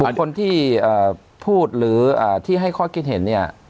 ส่วนคนที่พูดหรือที่ให้ข้อคิดเห็นเนี่ย